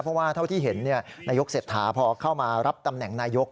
เพราะว่าเท่าที่เห็นนายกเศรษฐาพอเข้ามารับตำแหน่งนายก